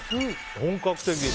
本格的。